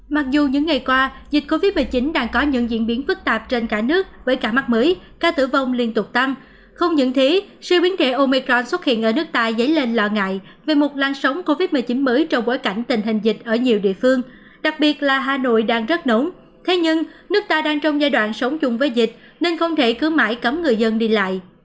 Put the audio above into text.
mặc dù những ngày qua dịch covid một mươi chín đang có những diễn biến phức tạp trên cả nước với cả mắt mới ca tử vong liên tục tăng không những thế sự biến thể omicron xuất hiện ở nước ta dấy lên lợi ngại về một lan sống covid một mươi chín mới trong bối cảnh tình hình dịch ở nhiều địa phương đặc biệt là hà nội đang rất nổng thế nhưng nước ta đang trong giai đoạn sống chung với dịch nên không thể cứ mãi cấm người dân đi lại